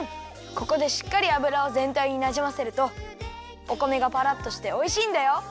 ここでしっかり油をぜんたいになじませるとお米がパラッとしておいしいんだよ。